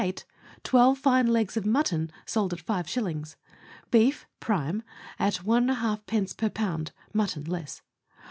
In 1848 : Twelve fine legs of mutton sold at five shillings. Beef (prime), at l^d. per pound ; mutton, less.